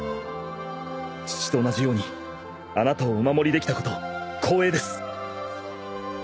父と同じようにあなたをお守りできたこと光栄です。